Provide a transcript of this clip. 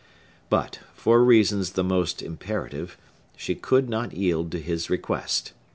But, for reasons the most imperative, she could not yield to his request.